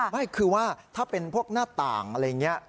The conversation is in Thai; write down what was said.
ไม่คือว่าถ้าเป็นพวกหน้าต่างอะไรอย่างนี้